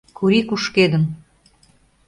Кури кушкедын.